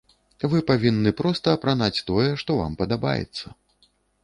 Вы павінны проста апранаць тое, што вам падабаецца.